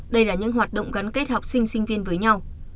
đây là những hoạt động gắn kết học sinh sinh viên với nhau